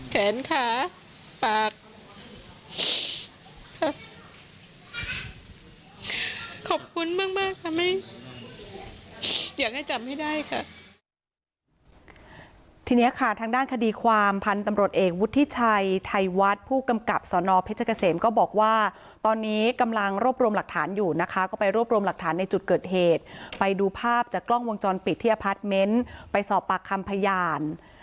แขนขาปากครับขอบคุณมากอย่างงี้จำให้ได้ค่ะทีนี้ค่ะทางด้านคดีความพันธุ์ตำรวจเอกวุฒิชัยไทยวัดผู้กำกับสอนอเพชรกะเสมก็บอกว่าตอนนี้กำลังรบรวมหลักฐานอยู่นะคะก็ไปรบรวมหลักฐานในจุดเกิดเหตุไปดูภาพจากกล้องวงจรปิดที่อพาร์ทเมนต์ไปสอบปากคำพยาน